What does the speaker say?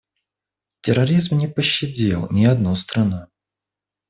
Терроризм не пощадил ни одну страну.